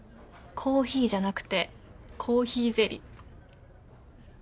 コーヒーじゃなくてコーヒーゼリー。